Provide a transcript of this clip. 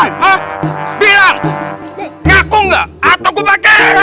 hah biar ngaku gak atau gue pakai